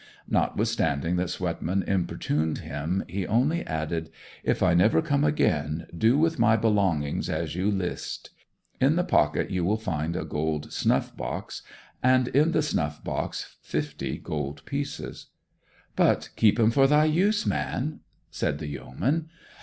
Notwithstanding that Swetman importuned him, he only added, 'If I never come again, do with my belongings as you list. In the pocket you will find a gold snuff box, and in the snuff box fifty gold pieces.' 'But keep 'em for thy use, man!' said the yeoman.